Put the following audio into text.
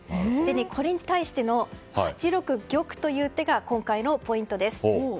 これに対しての８六玉という手が今回のポイントです。